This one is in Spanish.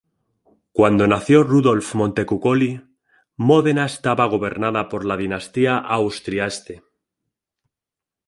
Cuando nació Rudolf Montecuccoli, Módena estaba gobernada por la dinastía Austria-Este.